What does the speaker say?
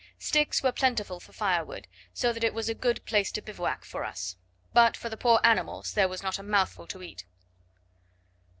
Sticks were plentiful for firewood, so that it was a good place to bivouac for us; but for the poor animals there was not a mouthful to eat.